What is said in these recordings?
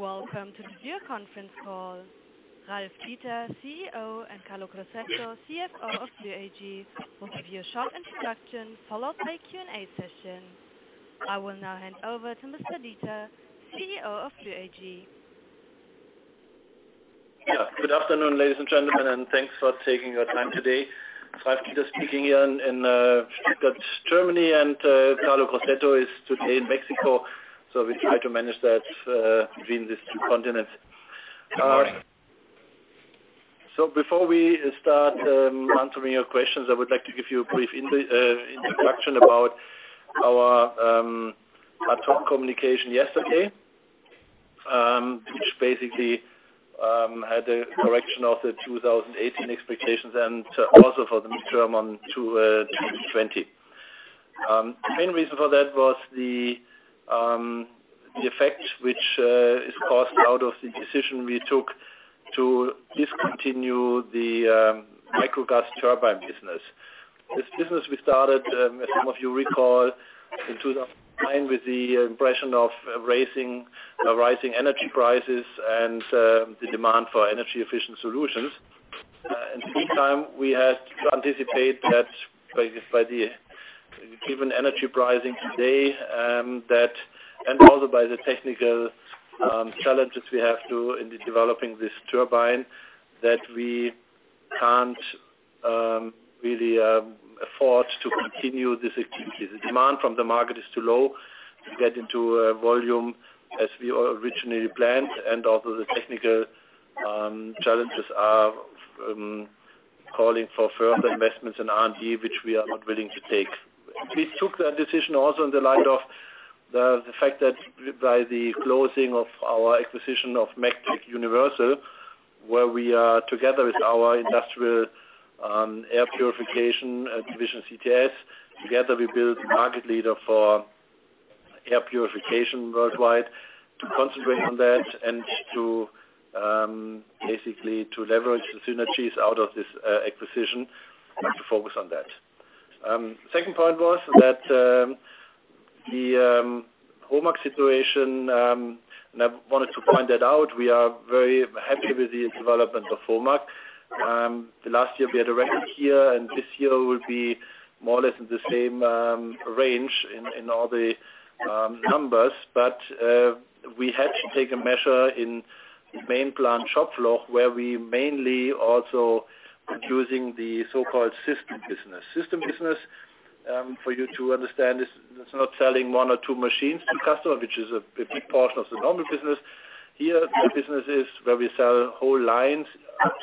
Welcome to the Dürr Conference Call. Ralf Dieter, CEO, and Carlo Crosetto, CFO of Dürr AG, will give you a short introduction followed by a Q&A session. I will now hand over to Mr. Dieter, CEO of Dürr AG. Good afternoon, ladies and gentlemen, and thanks for taking your time today. Ralf Dieter speaking here in Stuttgart, Germany, and Carlo Crosetto is today in Mexico, so we try to manage that between these two continents. Before we start answering your questions, I would like to give you a brief introduction about our top communication yesterday, which basically had a correction of the 2018 expectations and also for the midterm on 2020. The main reason for that was the effect which is caused out of the decision we took to discontinue the micro gas turbine business. This business we started, as some of you recall, in 2009 with the impression of rising energy prices and the demand for energy-efficient solutions. In the meantime, we had to anticipate that by the given energy pricing today and also by the technical challenges we have to in developing this turbine, that we can't really afford to continue. The demand from the market is too low to get into volume as we originally planned, and also the technical challenges are calling for further investments in R&D, which we are not willing to take. We took that decision also in the light of the fact that by the closing of our acquisition of MEGTEC Universal, where we are together with our industrial air purification division, CTS, together we build a market leader for air purification worldwide, to concentrate on that and basically to leverage the synergies out of this acquisition to focus on that. The second point was that the HOMAG situation, and I wanted to point that out. We are very happy with the development of HOMAG. Last year we had a record here, and this year will be more or less in the same range in all the numbers, but we had to take a measure in main plant shop floor where we mainly also are using the so-called systems business. Systems business, for you to understand, is not selling one or two machines to customers, which is a big portion of the normal business. Here, the business is where we sell whole lines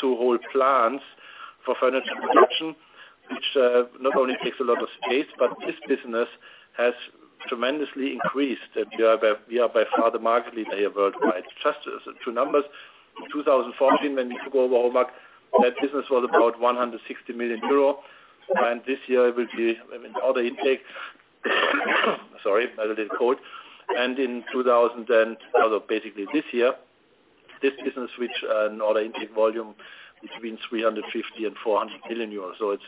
to whole plants for further production, which not only takes a lot of space, but this business has tremendously increased. We are by far the market leader here worldwide. Just two numbers: in 2014, when we took over HOMAG, that business was about 160 million euro, and this year it will be another intake. Sorry, I'm a little cold. And in 2000, and also basically this year, this business reached an order intake volume between 350 million and 400 million euros. So it's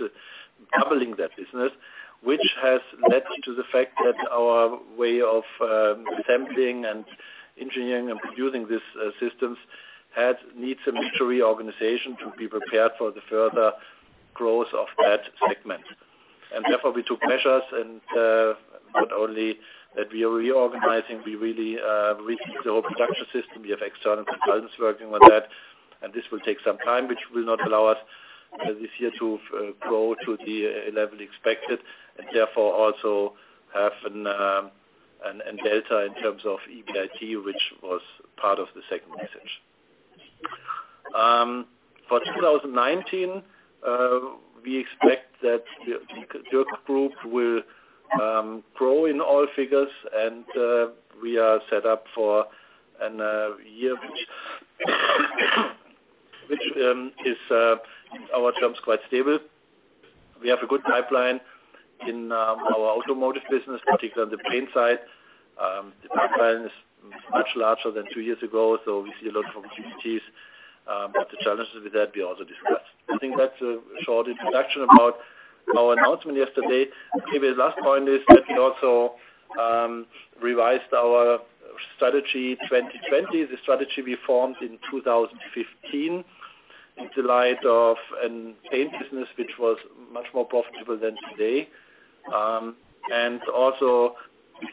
doubling that business, which has led to the fact that our way of assembling and engineering and producing these systems needs some reorganization to be prepared for the further growth of that segment. And therefore, we took measures, and not only that we are reorganizing, we really reached the whole production system. We have external consultants working on that, and this will take some time, which will not allow us this year to grow to the level expected, and therefore also have a delta in terms of EBIT, which was part of the second message. For 2019, we expect that the Dürr Group will grow in all figures, and we are set up for a year which is, in our terms, quite stable. We have a good pipeline in our automotive business, particularly on the paint side. The pipeline is much larger than two years ago, so we see a lot of opportunities, but the challenges with that we also discussed. I think that's a short introduction about our announcement yesterday. Maybe the last point is that we also revised our Strategy 2020, the strategy we formed in 2015, in the light of a paint business which was much more profitable than today, and also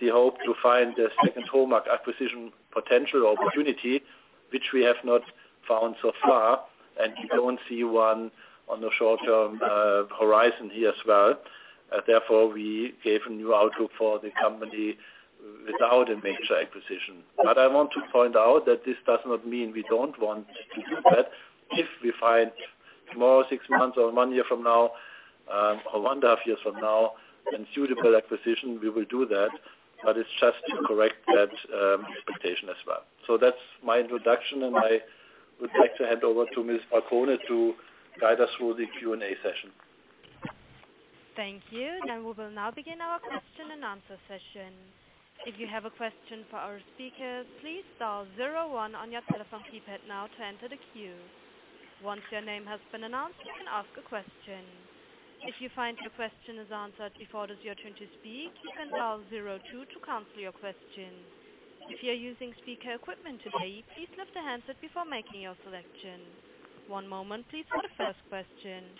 the hope to find the second HOMAG acquisition potential opportunity, which we have not found so far, and we don't see one on the short-term horizon here as well. Therefore, we gave a new outlook for the company without a major acquisition. But I want to point out that this does not mean we don't want to do that. If we find tomorrow, six months, or one year from now, or one and a half years from now, a suitable acquisition, we will do that, but it's just to correct that expectation as well. So that's my introduction, and I would like to hand over to Ms. Falcone to guide us through the Q&A session. Thank you. Then we will now begin our question and answer session. If you have a question for our speakers, please dial zero one on your telephone keypad now to enter the queue. Once your name has been announced, you can ask a question. If you find your question is answered before it is your turn to speak, you can dial zero two to cancel your question. If you are using speaker equipment today, please lift the handset before making your selection. One moment, please, for the first question.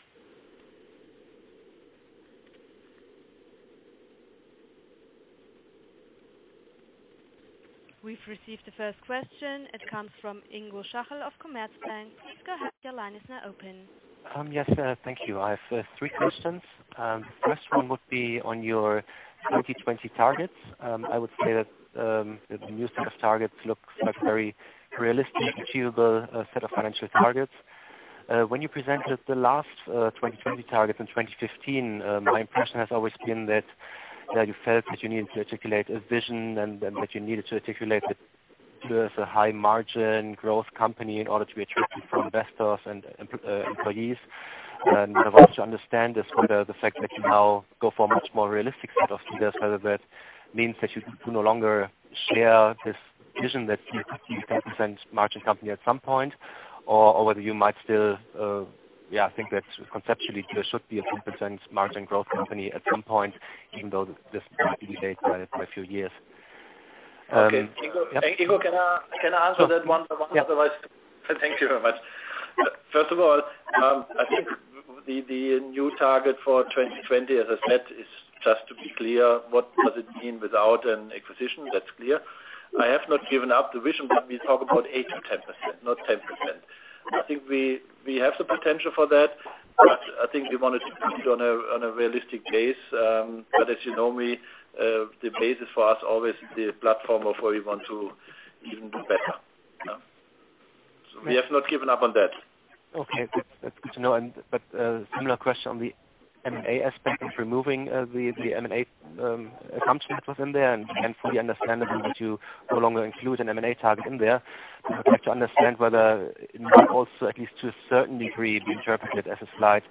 We've received the first question. It comes from Ingo Schachel of Commerzbank. Please go ahead. Your line is now open. Yes, thank you. I have three questions. The first one would be on your 2020 targets. I would say that the new set of targets looks like a very realistic, achievable set of financial targets. When you presented the last 2020 target in 2015, my impression has always been that you felt that you needed to articulate a vision and that you needed to articulate that Dürr is a high-margin growth company in order to be attractive for investors and employees. What I want you to understand is the fact that you now go for a much more realistic set of figures, whether that means that you do no longer share this vision that you could be a 10% margin company at some point, or whether you might still think that conceptually there should be a 10% margin growth company at some point, even though this might be delayed by a few years? Ingo, can I answer that one by one? Yes, of course. Thank you very much. First of all, I think the new target for 2020, as I said, is just to be clear, what does it mean without an acquisition? That's clear. I have not given up the vision, but we talk about 8%-10%, not 10%. I think we have the potential for that, but I think we wanted to do it on a realistic base. But as you know, the basis for us always is the platform of where we want to even do better. So we have not given up on that. Okay. That's good to know. But a similar question on the M&A aspect of removing the M&A assumption that was in there, and it's fully understandable that you no longer include an M&A target in there. I'd like to understand whether it might also, at least to a certain degree, be interpreted as a slight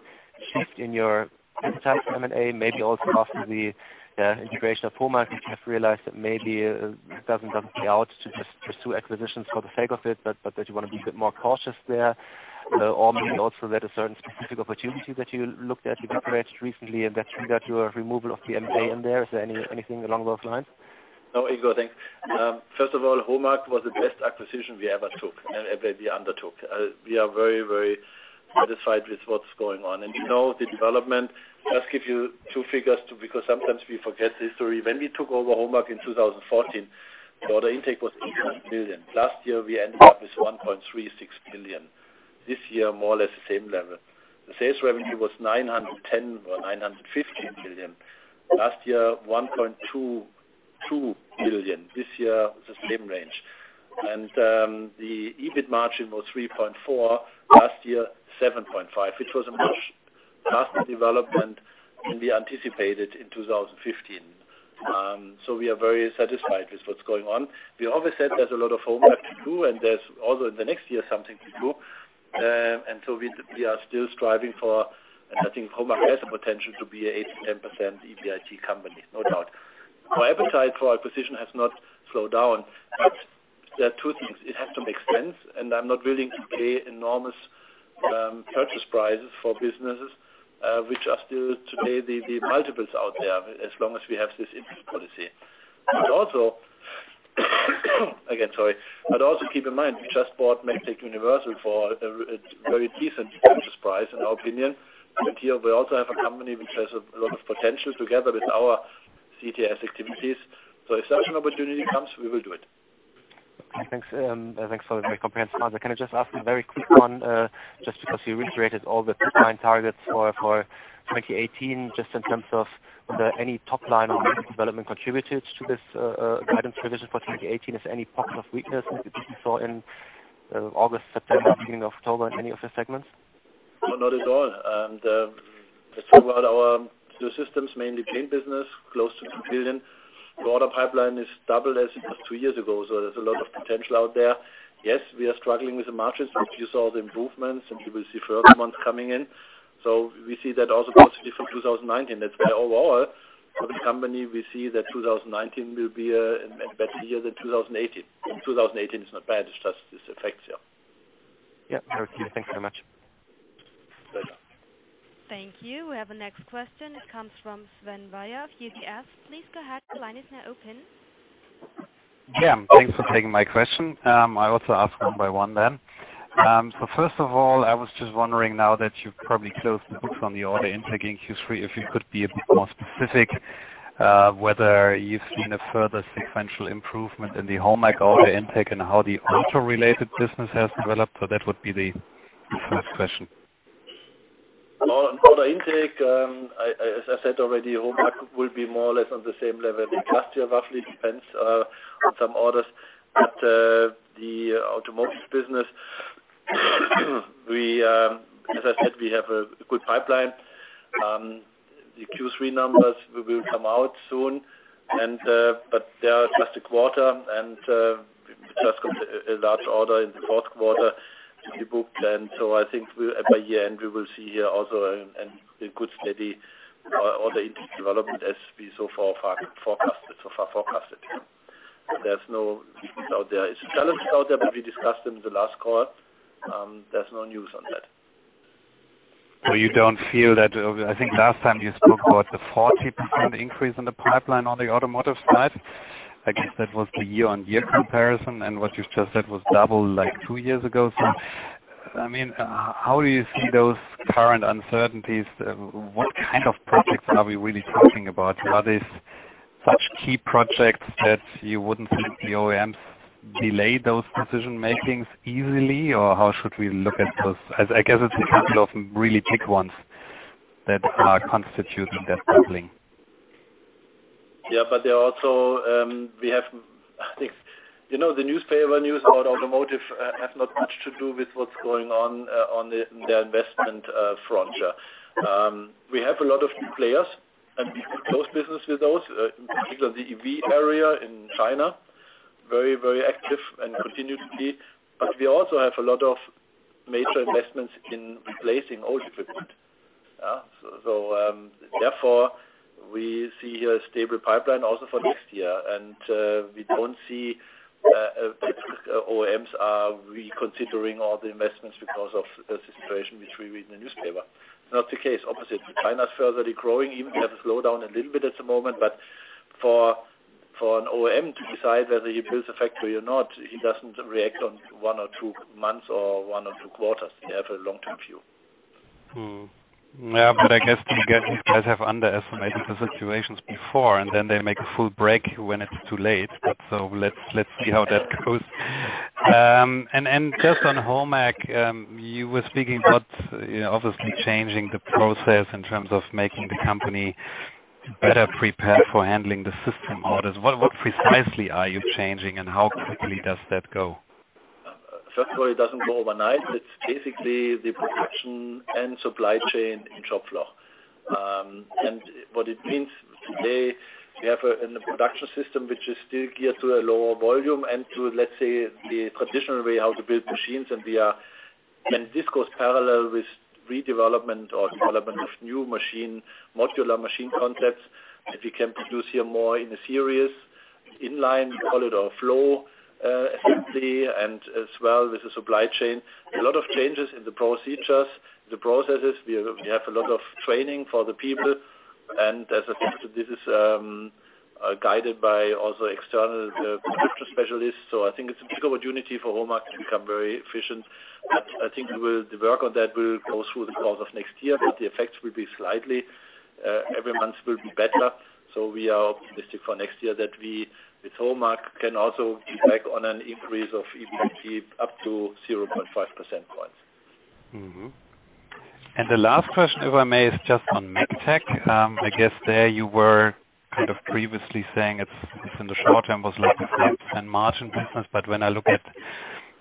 shift in your enterprise M&A, maybe also after the integration of HOMAG, which you have realized that maybe it doesn't pay out to just pursue acquisitions for the sake of it, but that you want to be a bit more cautious there, or maybe also that a certain specific opportunity that you looked at, you've iterated recently, and that's that your removal of the M&A in there. Is there anything along those lines? No, Ingo, thanks. First of all, HOMAG was the best acquisition we ever took and everybody undertook. We are very, very satisfied with what's going on. And the development, let's give you two figures because sometimes we forget the history. When we took over HOMAG in 2014, the order intake was 800 million. Last year, we ended up with 1.36 billion. This year, more or less the same level. The sales revenue was 910 million or 915 million. Last year, 1.22 billion. This year, the same range. And the EBIT margin was 3.4%. Last year, 7.5%, which was a much faster development than we anticipated in 2015. So we are very satisfied with what's going on. We always said there's a lot of HOMAG to do, and there's also in the next year something to do. We are still striving for, and I think HOMAG has the potential to be an 8%-10% EBIT company, no doubt. Our appetite for acquisition has not slowed down, but there are two things. It has to make sense, and I'm not willing to pay enormous purchase prices for businesses which are still today the multiples out there as long as we have this interest policy. But also, again, sorry, but also keep in mind, we just bought MEGTEC Universal for a very decent purchase price, in our opinion. And here we also have a company which has a lot of potential together with our CTS activities. So if such an opportunity comes, we will do it. Thanks for the very comprehensive answer. Can I just ask a very quick one? Just because you reiterated all the top-line targets for 2018, just in terms of whether any top-line or development contributed to this guidance revision for 2018? Is there any pocket of weakness that you saw in August, September, beginning of October, in any of your segments? No, not at all. The thing about our two systems, mainly paint business, close to 2 billion. The order pipeline is double as it was two years ago, so there's a lot of potential out there. Yes, we are struggling with the margins, but you saw the improvements, and you will see further months coming in. So we see that also positive from 2019. That's why overall, for the company, we see that 2019 will be a better year than 2018. 2018 is not bad, it's just its effects, yeah. Yeah. Thank you very much. Pleasure. Thank you. We have a next question. It comes from Sven Weier of UBS. Please go ahead. Your line is now open. Yeah. Thanks for taking my question. I'll also ask one by one then. So first of all, I was just wondering now that you've probably closed the books on the order intake in Q3, if you could be a bit more specific whether you've seen a further sequential improvement in the HOMAG order intake and how the auto-related business has developed? So that would be the first question. On order intake, as I said already, HOMAG will be more or less on the same level as last year. Roughly depends on some orders. But the automotive business, as I said, we have a good pipeline. The Q3 numbers will come out soon, but they are just a quarter, and we just got a large order in the fourth quarter to be booked. And so I think by year-end, we will see here also a good steady order intake development as we so far forecasted. There's no doubt there. There are challenges out there, but we discussed them in the last call. There's no news on that. So you don't feel that? I think last time you spoke about the 40% increase in the pipeline on the automotive side. I guess that was the year-on-year comparison, and what you've just said was double like two years ago. So I mean, how do you see those current uncertainties? What kind of projects are we really talking about? Are these such key projects that you wouldn't think the OEMs delay those decision-makings easily, or how should we look at those? I guess it's a couple of really big ones that are constituting that doubling. Yeah, but there are also we have, I think, you know the newspaper news about automotive have not much to do with what's going on on the investment front, yeah. We have a lot of players, and we do close business with those, particularly the EV area in China, very, very active and continued to be. But we also have a lot of major investments in replacing old equipment. So therefore, we see here a stable pipeline also for next year, and we don't see OEMs reconsidering all the investments because of the situation which we read in the newspaper. It's not the case. Oppositely, China's further growing. Even if they have a slowdown a little bit at the moment, but for an OEM to decide whether he builds a factory or not, he doesn't react on one or two months or one or two quarters. They have a long-term view. Yeah, but I guess you guys have underestimated the situations before, and then they make a full break when it's too late. So let's see how that goes. And just on HOMAG, you were speaking about obviously changing the process in terms of making the company better prepared for handling the system orders. What precisely are you changing, and how quickly does that go? First of all, it doesn't go overnight. It's basically the production and supply chain in shop floor. And what it means today, we have a production system which is still geared to a lower volume and to, let's say, the traditional way how to build machines. And when this goes parallel with redevelopment or development of new machine, modular machine concepts, if we can produce here more in a series, inline, call it a flow effectively, and as well with the supply chain. A lot of changes in the procedures, the processes. We have a lot of training for the people, and as I said, this is guided by also external production specialists. So I think it's a big opportunity for HOMAG to become very efficient. I think the work on that will go through the course of next year, but the effects will be slightly every month will be better. So we are optimistic for next year that we, with HOMAG, can also be back on an increase of EBIT up to 0.5% points. And the last question, if I may, is just on MEGTEC. I guess there you were kind of previously saying it's in the short-term was like a 5% margin business, but when I look at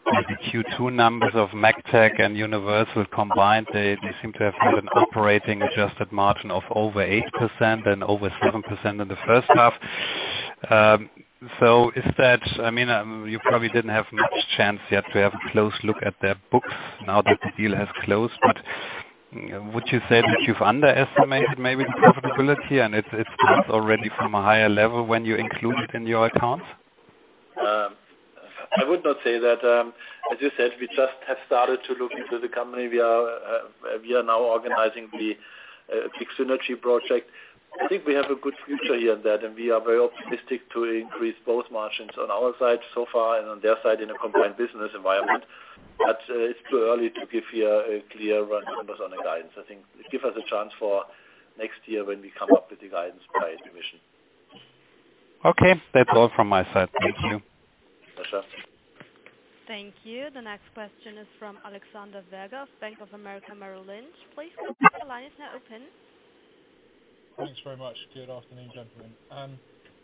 the Q2 numbers of MEGTEC and Universal combined, they seem to have had an operating adjusted margin of over 8% and over 7% in the H1. So is that, I mean, you probably didn't have much chance yet to have a close look at their books now that the deal has closed, but would you say that you've underestimated maybe the profitability and its cost already from a higher level when you include it in your accounts? I would not say that. As you said, we just have started to look into the company. We are now organizing the big synergy project. I think we have a good future here and there, and we are very optimistic to increase both margins on our side so far and on their side in a combined business environment. But it's too early to give here a clear run numbers on the guidance. I think give us a chance for next year when we come up with the guidance by the mission. Okay. That's all from my side. Thank you. Pleasure. Thank you. The next question is from Alexander Virgo of Bank of America Merrill Lynch. Please go ahead. Your line is now open. Thanks very much. Good afternoon, gentlemen.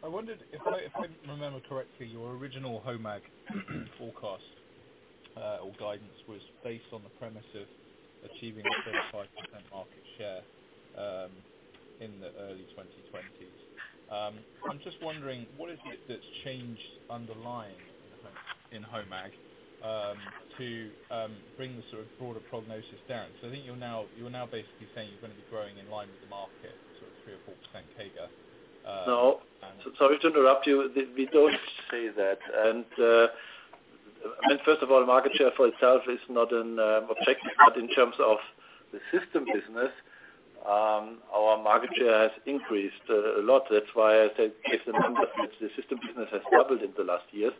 I wondered if I remember correctly, your original HOMAG forecast or guidance was based on the premise of achieving a 35% market share in the early 2020s. I'm just wondering, what is it that's changed underlying in HOMAG to bring the sort of broader prognosis down? So I think you're now basically saying you're going to be growing in line with the market, sort of 3% or 4% CAGR. No. Sorry to interrupt you. We don't say that. And I mean, first of all, market share for itself is not an objective, but in terms of the system business, our market share has increased a lot. That's why I said if the number. The system business has doubled in the last years.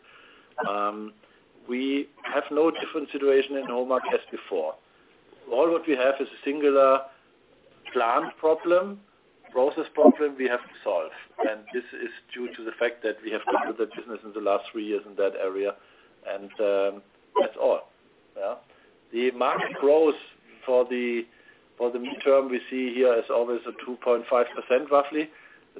We have no different situation in HOMAG as before. All what we have is a singular plant problem, process problem we have to solve. And this is due to the fact that we have gone to that business in the last three years in that area, and that's all. The market growth for the mid-term we see here is always a 2.5% roughly.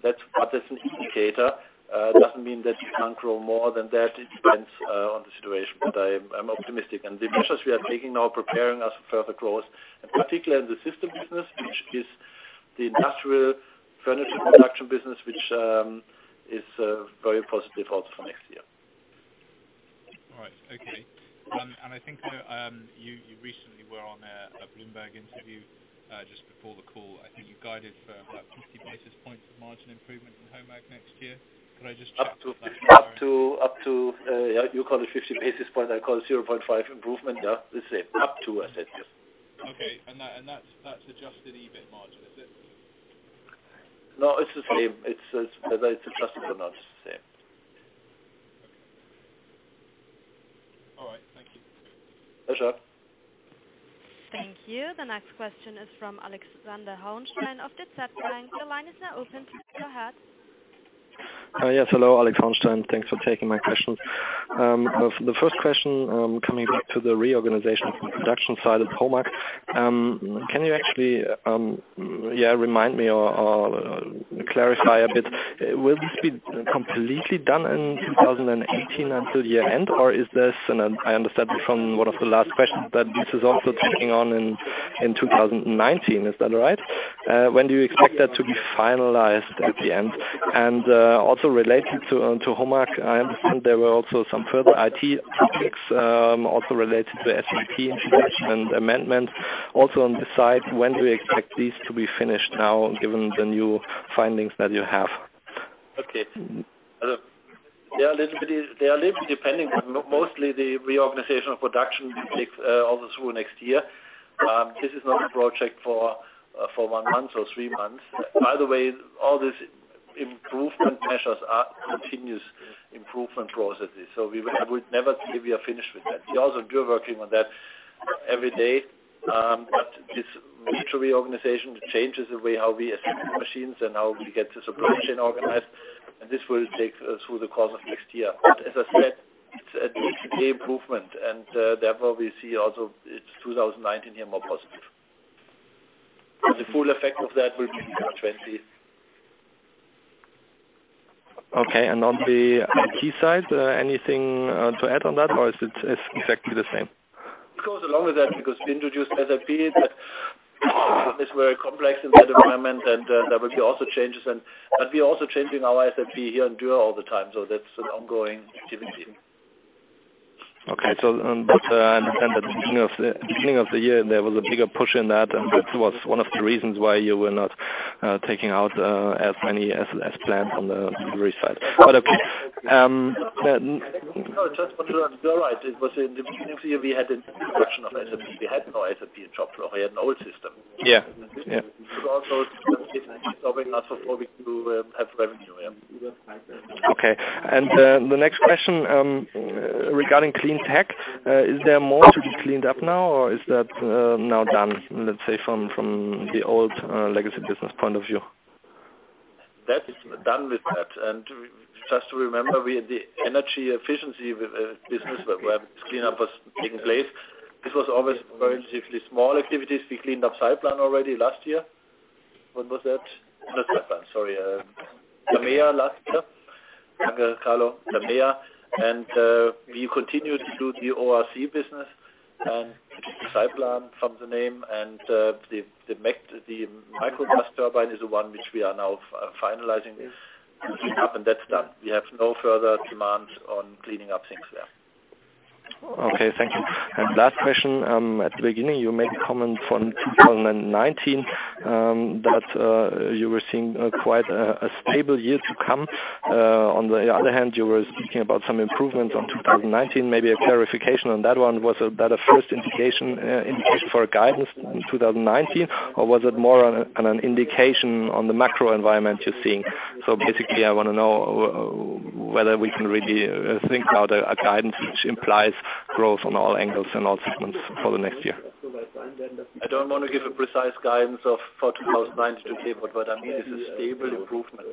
That's an indicator. It doesn't mean that we can't grow more than that. It depends on the situation, but I'm optimistic. The measures we are taking now are preparing us for further growth, particularly in the system business, which is the industrial furniture production business, which is very positive also for next year. All right. Okay, I think you recently were on a Bloomberg interview just before the call. I think you guided for about 50 basis points of margin improvement in HOMAG next year. Could I just check? Up to, up to, yeah, you call it 50 basis points. I call it 0.5 improvement. Yeah, it's the same. Up to, I said. Yes. Okay. And that's adjusted EBIT margin, is it? No, it's the same. Whether it's adjusted or not, it's the same. Okay. All right. Thank you. Pleasure. Thank you. The next question is from Alex Brozmann of DZ BANK. Your line is now open. Please go ahead. Yes. Hello, Alex Brozmann. Thanks for taking my questions. For the first question, coming back to the reorganization from the production side of HOMAG, can you actually remind me or clarify a bit? Will this be completely done in 2018 until year-end, or is this, and I understand from one of the last questions, that this is also taking on in 2019? Is that right? When do you expect that to be finalized at the end? And also related to HOMAG, I understand there were also some further IT topics also related to SAP and amendments. Also on this side, when do you expect these to be finished now, given the new findings that you have? Okay. Yeah, they are a little bit dependent, but mostly the reorganization of production takes also through next year. This is not a project for one month or three months. By the way, all these improvement measures are continuous improvement processes, so we would never say we are finished with that. We also do work on that every day, but this major reorganization changes the way how we assemble machines and how we get the supply chain organized, and this will take us through the course of next year. But as I said, it's a daily improvement, and therefore we see also 2019 here more positive. But the full effect of that will be 2020. Okay. And on the IT side, anything to add on that, or is it exactly the same? Of course, along with that, because we introduced SAP, that is very complex in that environment, and there will be also changes. But we are also changing our SAP here in Dürr all the time, so that's an ongoing activity. Okay, so I understand that at the beginning of the year, there was a bigger push in that, and that was one of the reasons why you were not taking out as many as planned on the delivery side. But, okay. No, no. Just want to be all right. It was in the beginning of the year we had a new production of SAP. We had no SAP in shop floor. We had an old system. Yeah. Yeah. It was also stopping us before we could have revenue. Yeah. Okay. And the next question regarding Clean Tech, is there more to be cleaned up now, or is that now done, let's say, from the old legacy business point of view? That is done with that. And just to remember, the energy efficiency business, where this cleanup was taking place, this was always relatively small activities. We cleaned up Cyplan already last year. When was that? Not Cyplan, sorry. Thermea last year. Carlo, Thermea. And we continue to do the ORC business, and Cyplan from the name, and the micro gas turbine is the one which we are now finalizing up, and that's done. We have no further demands on cleaning up things there. Okay. Thank you, and last question. At the beginning, you made a comment from 2019 that you were seeing quite a stable year to come. On the other hand, you were speaking about some improvements on 2019. Maybe a clarification on that one. Was that a first indication for a guidance in 2019, or was it more an indication on the macro environment you're seeing, so basically, I want to know whether we can really think about a guidance which implies growth on all angles and all segments for the next year? I don't want to give a precise guidance for 2019 today, but what I mean is a stable improvement.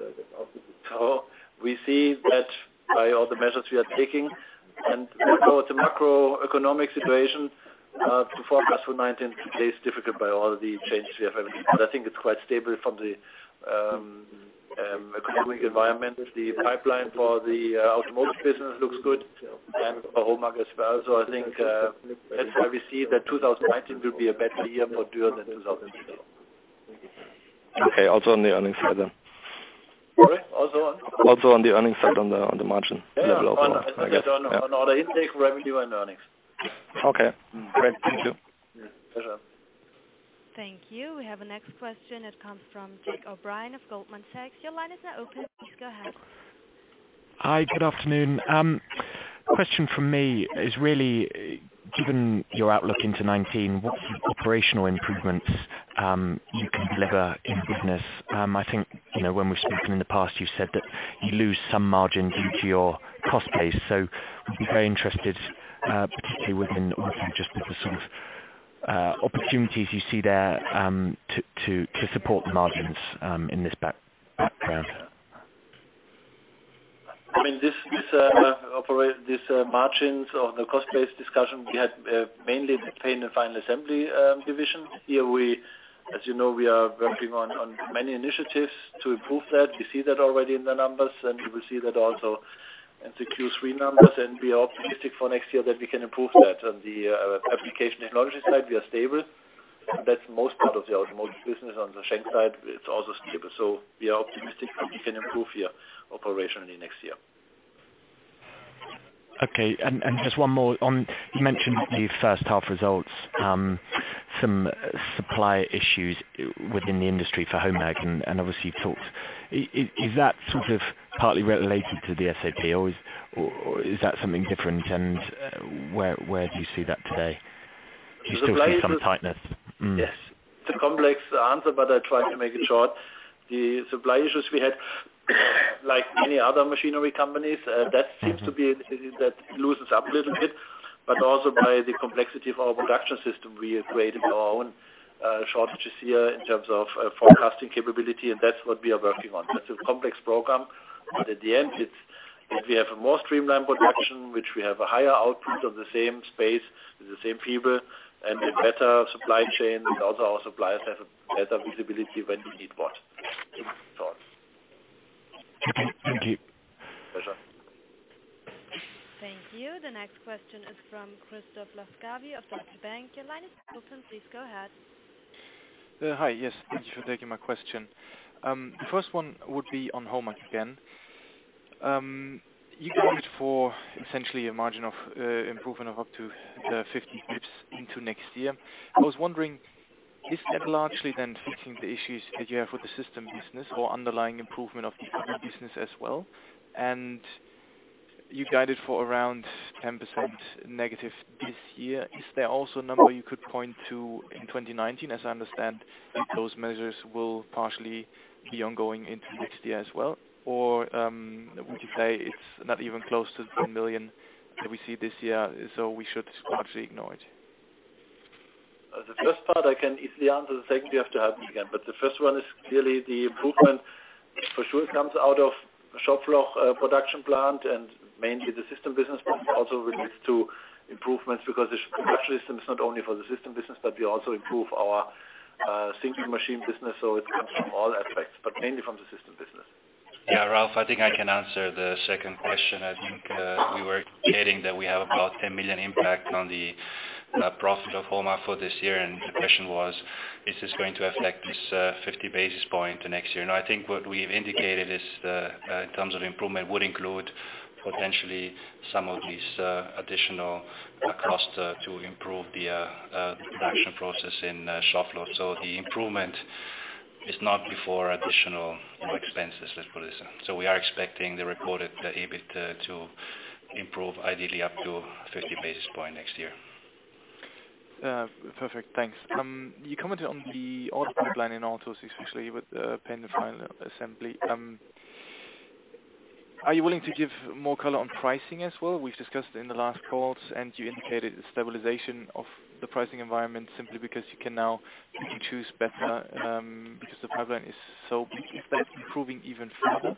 So we see that by all the measures we are taking, and the macroeconomic situation to forecast for 2019 today is difficult by all the changes we have everything. But I think it's quite stable from the economic environment. The pipeline for the automotive business looks good, and for HOMAG as well. So I think that's why we see that 2019 will be a better year for Dürr than 2018. Okay. Also on the earnings side then? Sorry? Also on? Also on the earnings side, on the margin level of. On all the intake, revenue, and earnings. Okay. Great. Thank you. Pleasure. Thank you. We have a next question. It comes from Jack O'Brien of Goldman Sachs. Your line is now open. Please go ahead. Hi. Good afternoon. Question from me is really, given your outlook into 2019, what operational improvements you can deliver in business? I think when we've spoken in the past, you've said that you lose some margin due to your cost base. So we'd be very interested, particularly within just the sort of opportunities you see there to support the margins in this background? I mean, this margins or the cost base discussion, we had mainly the paint and final assembly division. Here, as you know, we are working on many initiatives to improve that. We see that already in the numbers, and we will see that also in the Q3 numbers, and we are optimistic for next year that we can improve that. On the application technology side, we are stable. That's most part of the automotive business. On the Schenck side, it's also stable. We are optimistic that we can improve here operationally next year. Okay. And just one more on, you mentioned the H1 results, some supply issues within the industry for HOMAG, and obviously you've talked. Is that sort of partly related to the SAP, or is that something different? And where do you see that today? Do you still see some tightness? Yes. It's a complex answer, but I'll try to make it short. The supply issues we had, like many other machinery companies, that seems to be that it loosens up a little bit, but also by the complexity of our production system. We created our own shortages here in terms of forecasting capability, and that's what we are working on. That's a complex program, but at the end, we have a more streamlined production, which we have a higher output on the same space, the same people, and a better supply chain. Those are our suppliers have a better visibility when we need what. That's all. Okay. Thank you. Pleasure. Thank you. The next question is from Christoph Laskawi of Deutsche Bank. Your line is now open. Please go ahead. Hi. Yes. Thank you for taking my question. The first one would be on HOMAG again. You guided for essentially a margin of improvement of up to 50 basis points into next year. I was wondering, is that largely then fixing the issues that you have with the system business or underlying improvement of the business as well? And you guided for around 10% negative this year. Is there also a number you could point to in 2019? As I understand, those measures will partially be ongoing into next year as well. Or would you say it's not even close to the million that we see this year, so we should largely ignore it? The first part I can easily answer. The second, you have to help me again. But the first one is clearly the improvement. For sure, it comes out of shop floor production plant and mainly the system business, but it also relates to improvements because the production system is not only for the system business, but we also improve our Schenck machine business. So it comes from all aspects, but mainly from the system business. Yeah, Ralf, I think I can answer the second question. I think we were indicating that we have about 10 million impact on the profit of HOMAG for this year, and the question was, is this going to affect this 50 basis points next year? No, I think what we've indicated is in terms of improvement would include potentially some of these additional costs to improve the production process in shop floor. So the improvement is not before additional expenses, let's put it this way. So we are expecting the reported EBIT to improve ideally up to 50 basis points next year. Perfect. Thanks. You commented on the order pipeline in autos, especially with the paint and final assembly. Are you willing to give more color on pricing as well? We've discussed in the last calls, and you indicated stabilization of the pricing environment simply because you can now choose better because the pipeline is so improving even further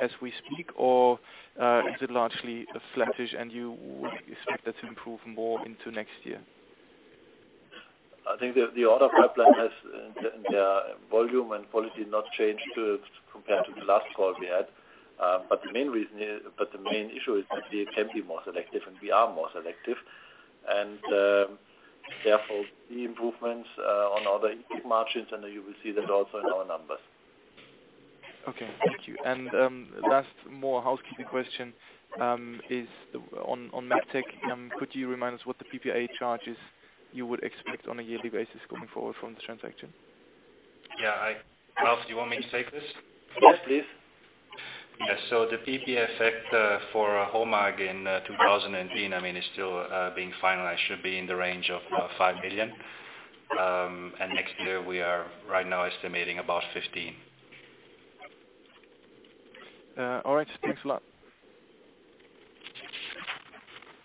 as we speak, or is it largely a flattish and you would expect that to improve more into next year? I think the order pipeline has their volume and quality not changed compared to the last call we had. The main issue is that we can be more selective, and we are more selective. Therefore, the improvements on all the EBIT margins, and you will see that also in our numbers. Okay. Thank you. And last more housekeeping question is on MEGTEC. Could you remind us what the PPA charges you would expect on a yearly basis going forward from the transaction? Yeah. Ralf, do you want me to take this? Yes, please. Yeah. So the PPA effect for HOMAG in 2018, I mean, is still being finalized. It should be in the range of 5 million. And next year, we are right now estimating about 15. All right. Thanks a lot.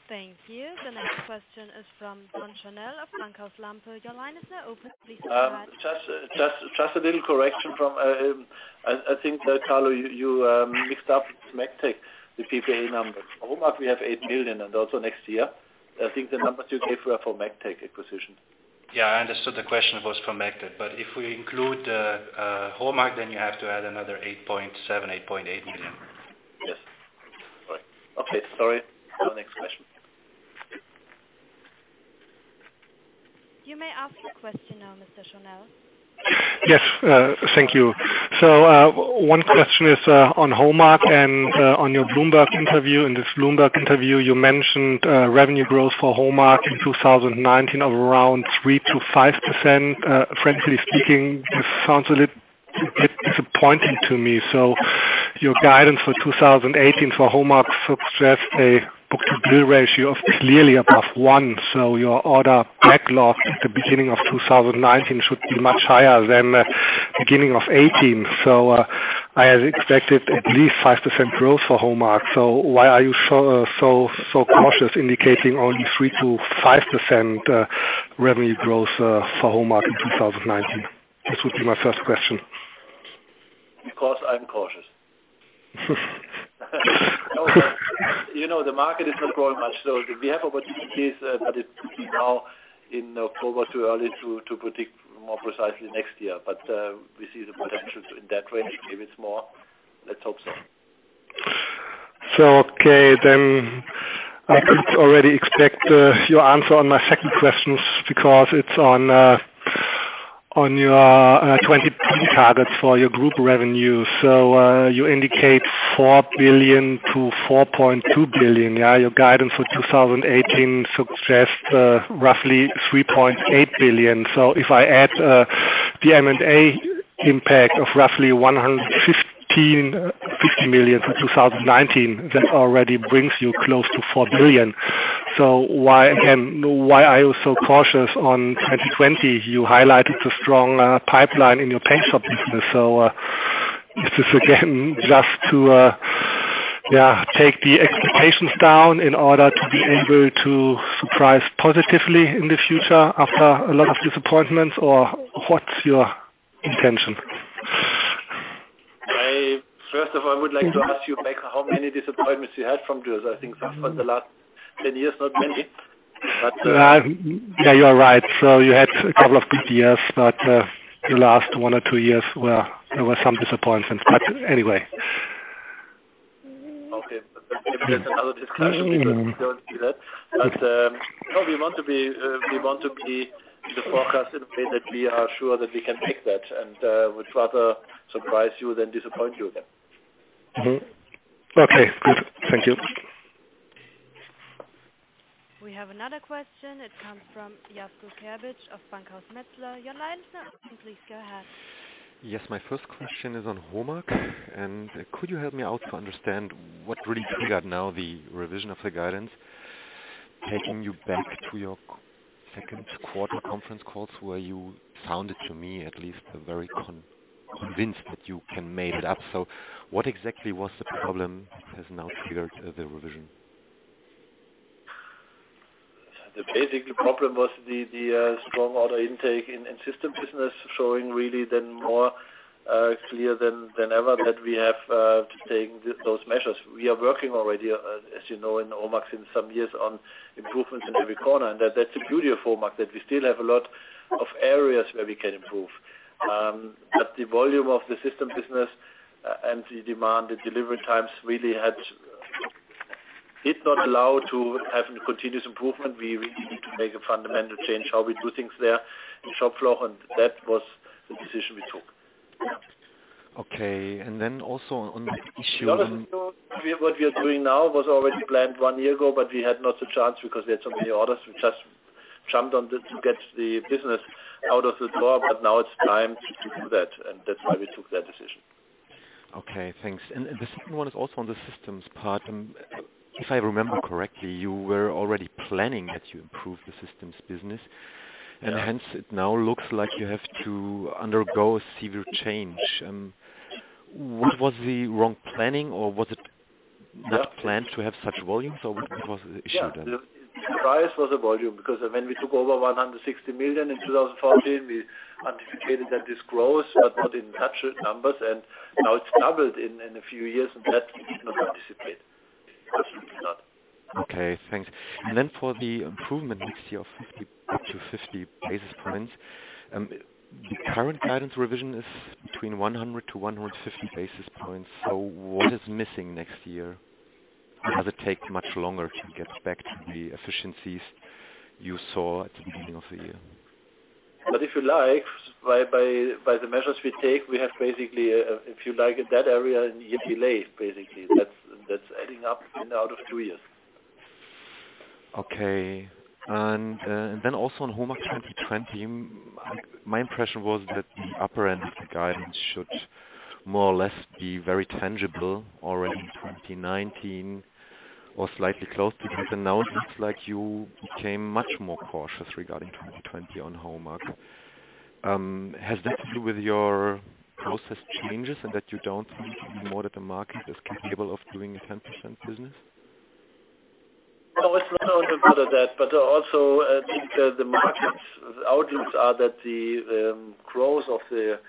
Thank you. The next question is from Gordon Schönell of Bankhaus Lampe. Your line is now open. Please go ahead. Just a little correction. I think, Carlo, you mixed up with MEGTEC the PPA numbers. HOMAG, we have 8 million, and also next year. I think the numbers you gave were for MEGTEC acquisition. Yeah. I understood the question was for MEGTEC, but if we include HOMAG, then you have to add another 8.7 million-8.8 million. Yes. Okay. Sorry. Next question. You may ask your question now, Mr. Schönell. Yes. Thank you. One question is on HOMAG, and on your Bloomberg interview, in this Bloomberg interview, you mentioned revenue growth for HOMAG in 2019 of around 3%-5%. Frankly speaking, this sounds a bit disappointing to me. Your guidance for 2018 for HOMAG suggests a book-to-bill ratio of clearly above one. Your order backlog at the beginning of 2019 should be much higher than the beginning of 2018. I had expected at least 5% growth for HOMAG. Why are you so cautious indicating only 3%-5% revenue growth for HOMAG in 2019? This would be my first question. Because I'm cautious. You know the market is not growing much, so we have opportunities, but it will be now in October too early to predict more precisely next year. But we see the potential in that range. Maybe it's more. Let's hope so. Okay. Then I could already expect your answer on my second question because it's on your 2020 targets for your group revenue. So you indicate 4 billion-4.2 billion. Yeah. Your guidance for 2018 suggests roughly 3.8 billion. So if I add the M&A impact of roughly 150 million for 2019, that already brings you close to 4 billion. So again, why are you so cautious on 2020? You highlighted the strong pipeline in your paint shop business. So is this again just to, yeah, take the expectations down in order to be able to surprise positively in the future after a lot of disappointments, or what's your intention? First of all, I would like to ask you back how many disappointments you had from Dürr. I think for the last 10 years, not many. But. Yeah. You're right. So you had a couple of good years, but the last one or two years were some disappointments. But anyway. Okay. That's another discussion. We don't see that. But no, we want to be in the forecast in a way that we are sure that we can make that, and we'd rather surprise you than disappoint you again. Okay. Good. Thank you. We have another question. It comes from Jasko Terzic of Bankhaus Metzler. Your line is now open. Please go ahead. Yes. My first question is on HOMAG, and could you help me out to understand what really triggered now the revision of the guidance, taking you back to your second quarter conference calls where you sounded to me at least very convinced that you can make it up. So what exactly was the problem that has now triggered the revision? The basic problem was the strong order intake in system business, showing really then more clear than ever that we have to take those measures. We are working already, as you know, in HOMAG for some years on improvements in every corner, and that's the beauty of HOMAG, that we still have a lot of areas where we can improve. But the volume of the system business and the demand, the delivery times really had it not allowed to have continuous improvement. We need to make a fundamental change how we do things there in shop floor, and that was the decision we took. Okay. And then also on the issue. So what we are doing now was already planned one year ago, but we had not the chance because we had so many orders. We just jumped on to get the business out of the door, but now it's time to do that, and that's why we took that decision. Okay. Thanks. And the second one is also on the systems part. If I remember correctly, you were already planning that you improve the systems business, and hence it now looks like you have to undergo a severe change. What was the wrong planning, or was it not planned to have such volumes, or what was the issue then? The surprise was the volume because when we took over 160 million in 2014, we anticipated that this grows, but not in such numbers, and now it's doubled in a few years, and that we did not anticipate. Absolutely not. Okay. Thanks. And then for the improvement next year of up to 50 basis points, the current guidance revision is between 100 to 150 basis points. So what is missing next year? Does it take much longer to get back to the efficiencies you saw at the beginning of the year? But if you like, by the measures we take, we have basically, if you like, that area in a year delay, basically. That's adding up in about two years. Okay. And then also on HOMAG 2020, my impression was that the upper end of the guidance should more or less be very tangible already in 2019 or slightly close to it, and now it looks like you became much more cautious regarding 2020 on HOMAG. Has that to do with your process changes and that you don't seem to be more that the market is capable of doing a 10% business? No, it's not only more than that, but also I think the market's outlooks are that the growth of the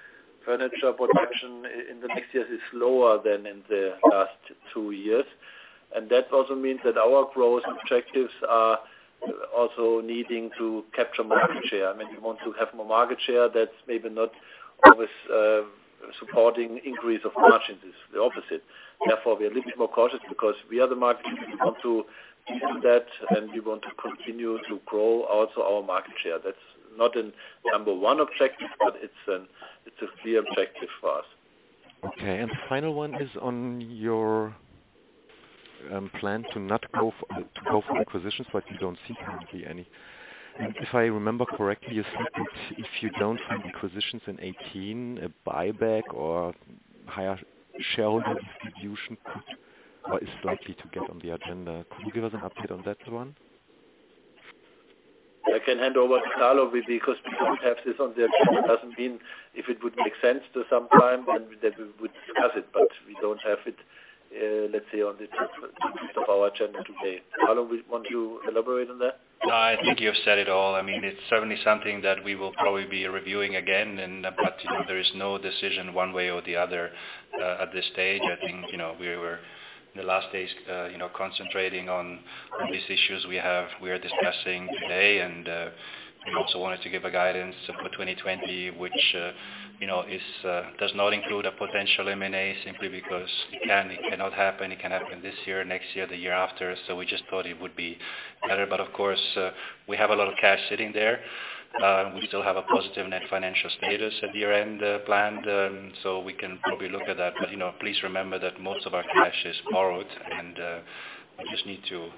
furniture production in the next year is lower than in the last two years. And that also means that our growth objectives are also needing to capture market share. I mean, we want to have more market share. That's maybe not always supporting increase of margins. It's the opposite. Therefore, we are a little bit more cautious because we are the market. We want to do that, and we want to continue to grow also our market share. That's not a number one objective, but it's a clear objective for us. Okay, and the final one is on your plan to not go for acquisitions, but you don't see currently any. If I remember correctly, you said that if you don't see acquisitions in 2018, a buyback or higher shareholder distribution is likely to get on the agenda. Could you give us an update on that one? I can hand over to Carlo with that because we don't have this on the agenda. It doesn't mean if it would make sense to some client, then we would discuss it, but we don't have it, let's say, on the top of our agenda today. Carlo, would you want to elaborate on that? No, I think you've said it all. I mean, it's certainly something that we will probably be reviewing again, but there is no decision one way or the other at this stage. I think we were in the last days concentrating on these issues we are discussing today, and we also wanted to give a guidance for 2020, which does not include a potential M&A simply because it cannot happen. It can happen this year, next year, the year after. So we just thought it would be better. But of course, we have a lot of cash sitting there. We still have a positive net financial status at year-end planned, so we can probably look at that. But please remember that most of our cash is borrowed, and we just need to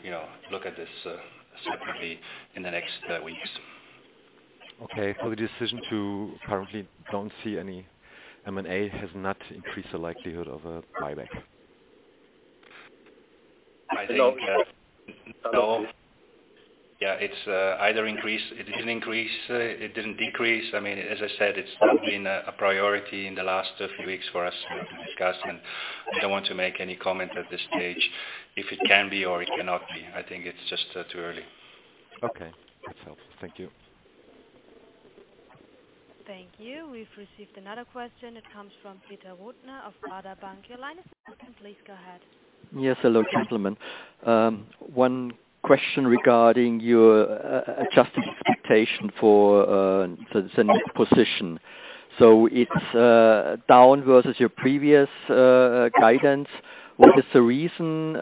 look at this separately in the next weeks. The decision to currently not see any M&A has not increased the likelihood of a buyback? No. Yeah. It's either increase. It didn't increase. It didn't decrease. I mean, as I said, it's been a priority in the last few weeks for us to discuss, and I don't want to make any comment at this stage if it can be or it cannot be. I think it's just too early. Okay. That's helpful. Thank you. Thank you. We've received another question. It comes from Peter Rothenaicher of Baader Bank. Your line is now open. Please go ahead. Yes. Hello, gentlemen. One question regarding your adjusted expectation for the new position. So it's down versus your previous guidance. What is the reason?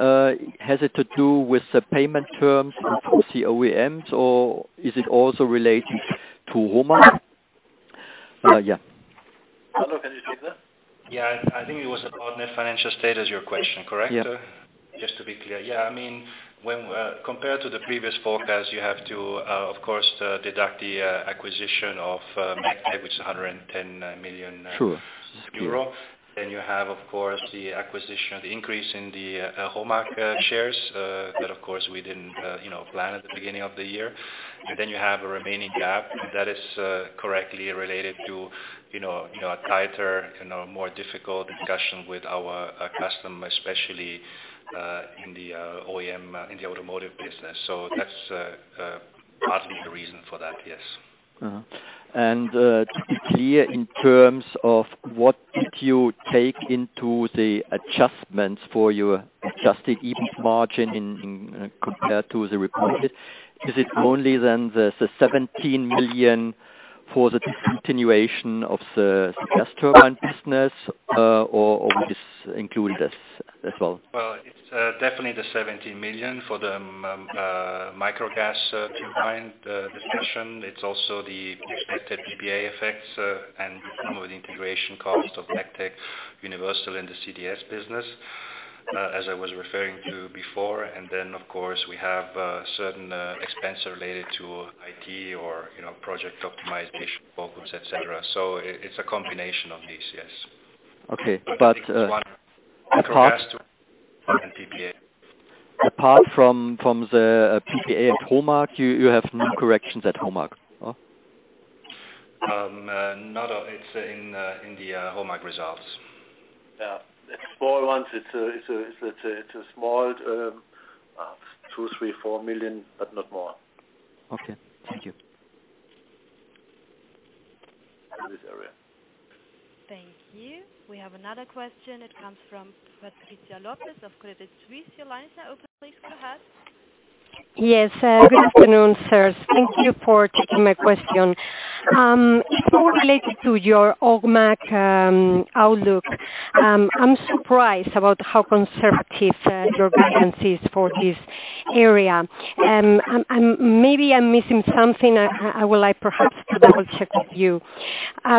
Has it to do with the payment terms and for OEMs, or is it also related to HOMAG? Yeah. Carlo, can you take that? Yeah. I think it was about net financial status, your question, correct? Yeah. Just to be clear. Yeah. I mean, compared to the previous forecast, you have to, of course, deduct the acquisition of MEGTEC, which is 110 million euro. Then you have, of course, the acquisition, the increase in the HOMAG shares that, of course, we didn't plan at the beginning of the year. And then you have a remaining gap that is correctly related to a tighter and more difficult discussion with our customer, especially in the OEM, in the automotive business. So that's partly the reason for that, yes. To be clear, in terms of what did you take into the adjustments for your adjusted EBIT margin compared to the reported? Is it only then the 17 million for the discontinuation of the gas turbine business, or would this include this as well? Well, it's definitely the 17 million for the micro gas turbine discussion. It's also the expected PPA effects and some of the integration costs of MEGTEC Universal in the CTS business, as I was referring to before. And then, of course, we have certain expenses related to IT or project optimization, focus, etc. So it's a combination of these, yes. Okay. But apart. And PPA. Apart from the PPA at HOMAG, you have no corrections at HOMAG, huh? No. It's in the HOMAG results. Yeah. The small ones, it's a small 2, 3, 4 million, but not more. Okay. Thank you. In this area. Thank you. We have another question. It comes from Patricia López of Credit Suisse. Your line is now open. Please go ahead. Yes. Good afternoon, sirs. Thank you for taking my question. It's all related to your HOMAG outlook. I'm surprised about how conservative your guidance is for this area. Maybe I'm missing something. I would like perhaps to double-check with you.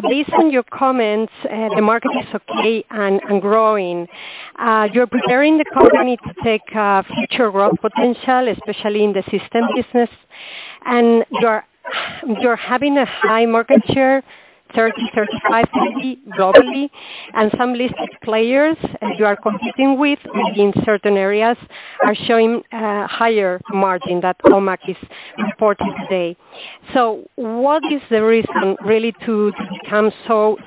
Based on your comments, the market is okay and growing. You're preparing the company to take future growth potential, especially in the system business, and you're having a high market share, 30%-35%, maybe globally. And some listed players you are competing with in certain areas are showing a higher margin that HOMAG is supporting today. So what is the reason really to become so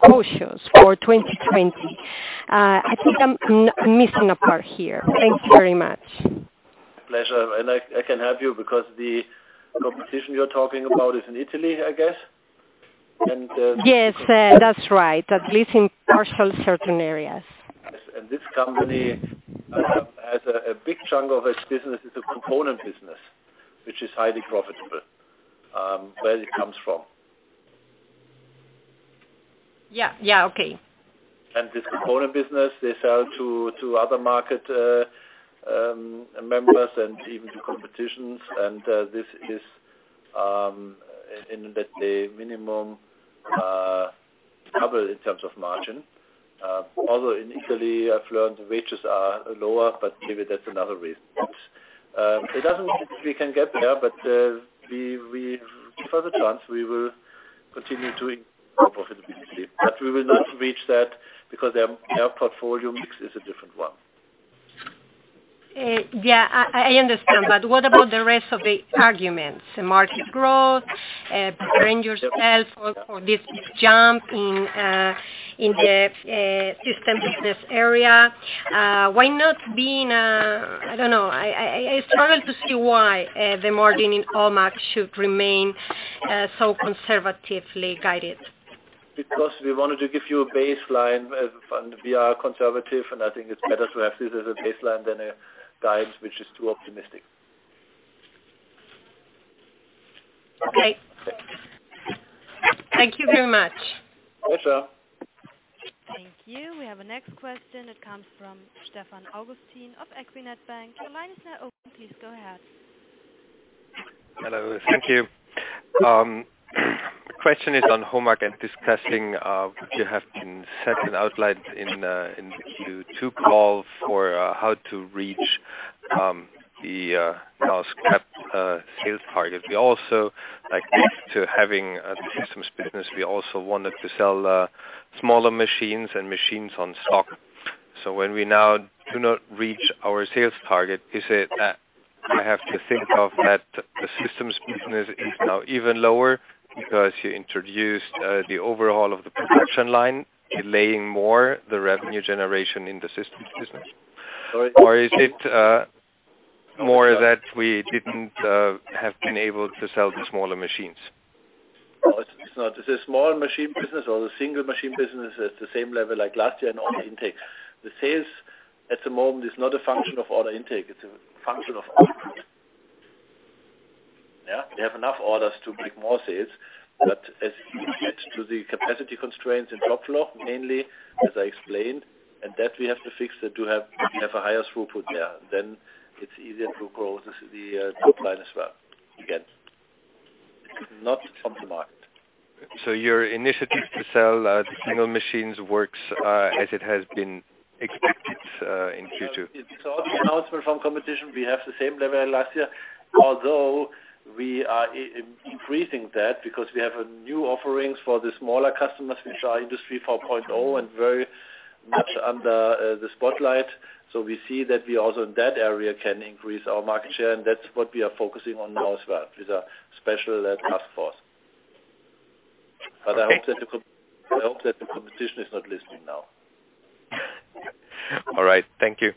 cautious for 2020? I think I'm missing a part here. Thank you very much. My pleasure. And I can help you because the competition you're talking about is in Italy, I guess, and. Yes. That's right. At least in partial certain areas. Yes. And this company has a big chunk of its business. It's a component business, which is highly profitable where it comes from. Yeah. Yeah. Okay. This component business, they sell to other market members and even to competitors, and this is in the minimum double in terms of margin. Although in Italy, I've learned the wages are lower, but maybe that's another reason. It doesn't mean we can get there, but it gives us a chance. We will continue to incorporate it with Italy, but we will not reach that because their portfolio mix is a different one. Yeah. I understand, but what about the rest of the arguments? The market growth, bring yourself for this jump in the system business area. Why not being a—I don't know. I struggle to see why the margin in HOMAG should remain so conservatively guided. Because we wanted to give you a baseline, and we are conservative, and I think it's better to have this as a baseline than a guidance which is too optimistic. Okay. Thank you very much. My pleasure. Thank you. We have a next question. It comes from Stefan Augustin of Equinet Bank. Your line is now open. Please go ahead. Hello. Thank you. The question is on HOMAG and discussing you have been set and outlined in the Q2 call for how to reach the scale target. We also like this to having the systems business. We also wanted to sell smaller machines and machines on stock. So when we now do not reach our sales target, is it that I have to think of that the systems business is now even lower because you introduced the overhaul of the production line, delaying more the revenue generation in the systems business? Or is it more that we didn't have been able to sell the smaller machines? No, it's not. It's a small machine business or a single machine business at the same level like last year in order intake. The sales at the moment is not a function of order intake. It's a function of order. Yeah. We have enough orders to make more sales, but it's due to the capacity constraints and shop floor, mainly, as I explained, and that we have to fix that to have a higher throughput there. Then it's easier to grow the top line as well again. It's not on the market. Your initiative to sell the single machines works as it has been expected in Q2? It's also an area of competition. We have the same level last year, although we are increasing that because we have new offerings for the smaller customers, which are Industry 4.0 and very much under the spotlight. So we see that we also in that area can increase our market share, and that's what we are focusing on now as well with a special task force. But I hope that the competition is not listening now. All right. Thank you.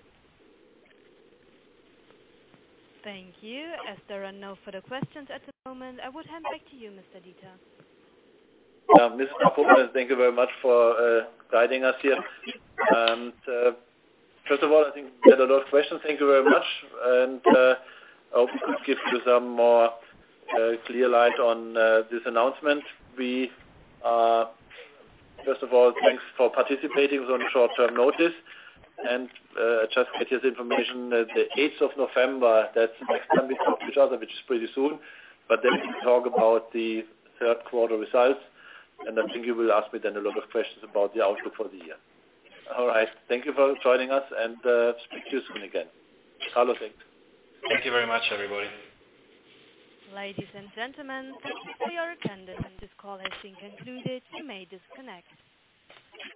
Thank you. As there are no further questions at the moment, I would hand back to you, Mr. Dieter. Ms. Falcone, thank you very much for guiding us here. And first of all, I think we had a lot of questions. Thank you very much. And I hope this gives you some more clear light on this announcement. First of all, thanks for participating on short-term notice. And I just get this information that the 8th of November, that's the next time we talk to each other, which is pretty soon, but then we can talk about the third-quarter results. And I think you will ask me then a lot of questions about the outlook for the year. All right. Thank you for joining us, and speak to you soon again. Carlo, thanks. Thank you very much, everybody. Ladies and gentlemen, thank you for your attendance, and this call has been concluded. You may disconnect.